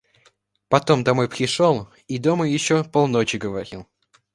Потом домой пришел и дома еще полночи говорил!